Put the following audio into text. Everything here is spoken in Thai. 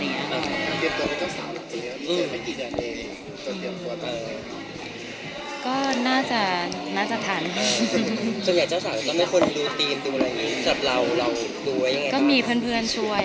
แล้วก็ไม่ได้ทำอะไรที่เดือดนอนใคร